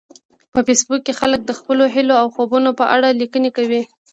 په فېسبوک کې خلک د خپلو هیلو او خوبونو په اړه لیکنې کوي